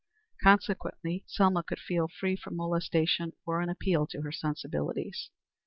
Consequently, Selma could feel free from molestation or an appeal to her sensibilities.